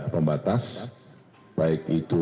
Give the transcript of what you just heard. pembatas baik itu